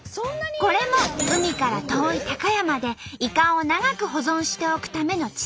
これも海から遠い高山でいかを長く保存しておくための知恵。